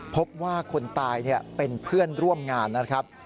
พบว่าคนตายเป็นเพื่อนร่วมงานนะครับ